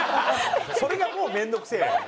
それがもう面倒くせえよ。